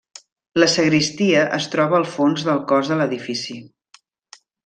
La sagristia es troba al fons del cos de l'edifici.